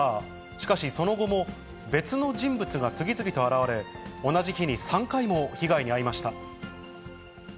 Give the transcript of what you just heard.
しかし、その後も別の人物が次々と現れ、同じ日に３回も被害に遭いました。